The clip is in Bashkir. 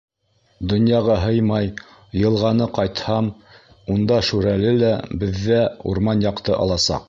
Донъяға һыймай, йылғаны Ҡайтһам, унда Шүрәле лә Беҙҙә урман яҡты, алсаҡ.